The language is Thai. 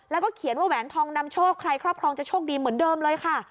แล้วก็เขียนว่าแหวนทองนำโชคใครครอบครองจะโชคดีเหมือนเดิมเลยค่ะ